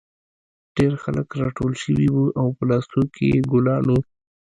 ډېر خلک راټول شوي وو او په لاسونو کې یې ګلان وو